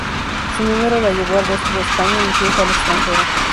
Su número la llevó al resto de España e incluso al extranjero.